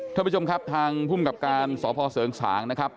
ท่านผู้ชมครับทางภูมิกับการสพเสริงสางนะครับ